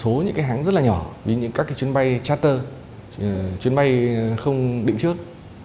một số những cái hãng rất là nhỏ với những các cái chuyến bay charter chuyến bay không định trước